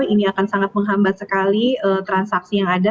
ini akan sangat menghambat sekali transaksi yang ada